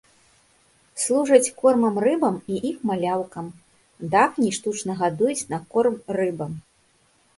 Служаць кормам рыбам і іх маляўкам, дафній штучна гадуюць на корм рыбам.